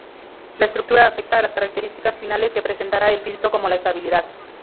La estructura afecta a las características finales que presentará el filtro como la estabilidad.